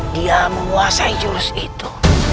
dia menguasai jurus itu